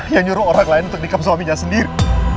yang nyuruh orang lain untuk dikap suaminya sendiri